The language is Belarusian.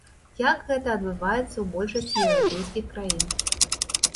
Як гэта адбываецца ў большасці еўрапейскіх краін.